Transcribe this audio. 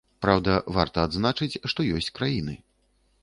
Праўда, варта адзначыць, што ёсць краіны.